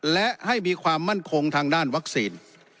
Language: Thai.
และให้มีความมั่นคงทางด้านวัคซีน